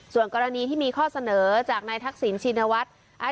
ส่วนกรณีที่มีข้อเสนอจากนายทักษิณชินวัฒน์